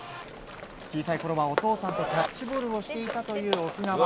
小さいころはお父さんとキャッチボールをしていたとう奥川。